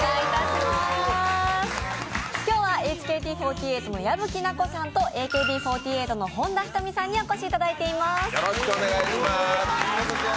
今日はＨＫＴ４８の矢吹奈子さんとＡＫＢ４８の本田仁美さんにお越しいただいております。